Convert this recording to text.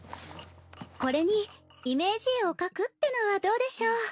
これにイメージ絵を描くってのはどうでしょう？